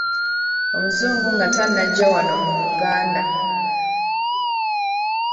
Omuzungu nga tannajja wano mu Buganda.